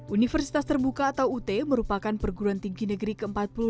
universitas terbuka atau ut merupakan perguruan tinggi negeri ke empat puluh lima